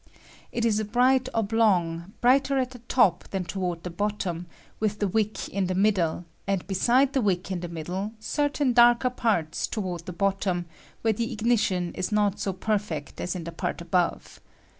It is a bright oblong, brighter at the top than toward the bottom, with the wiek in the middle, and, besides the wick in the middle, certain darker parts toward the bottom, where the ignition is jjot so perfect as in the part above.